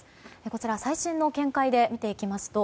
こちら、最新の見解で見ていきますと